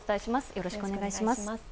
よろしくお願いします。